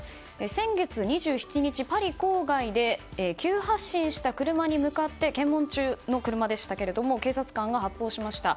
先月２７日パリ郊外で急発進した車に向かって検問中の車でしたが警察官が発砲しました。